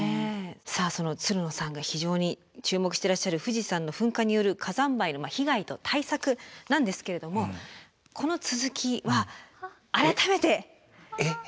さあつるのさんが非常に注目してらっしゃる富士山の噴火による火山灰の被害と対策なんですけれどもこの続きは改めて。えっ？